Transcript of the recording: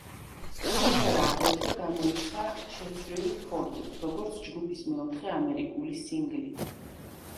სიმღერა აგრეთვე გამოიცა შეცვლილი ფორმით, როგორც ჯგუფის მეოთხე ამერიკული სინგლი.